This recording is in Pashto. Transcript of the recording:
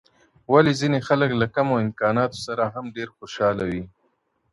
ولي ځیني خلګ له کمو امکاناتو سره هم ډېر خوشحاله وي؟